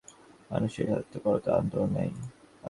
মানুষের স্বার্থপরতার অন্ত নাই।